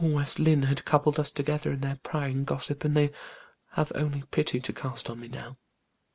"All West Lynne had coupled us together in their prying gossip, and they have only pity to cast on me now.